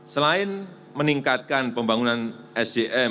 selain meningkatkan pembangunan sdm